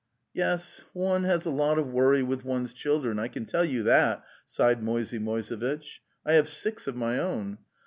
"Yes; one has a lot of worry with one's children, I can tell you that," sighed Moisey Moisevitch. "I have six of my own.